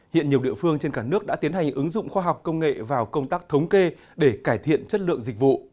hiện nhiều địa phương trên cả nước đã tiến hành ứng dụng khoa học công nghệ vào công tác thống kê để cải thiện chất lượng dịch vụ